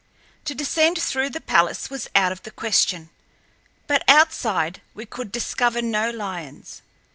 To descend through the palace was out of the question, but outside we could discover no lions.